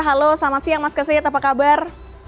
halo selamat siang mas kesit apa kabar